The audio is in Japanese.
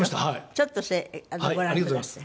ちょっとそれご覧ください。